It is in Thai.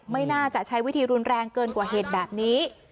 ไม่น่าจะใช้วิธีรุนแรงเกินกว่าเหตุแบบนี้